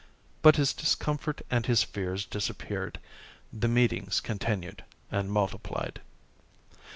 But his discomfort and his fears disappeared. The meetings continued and multiplied.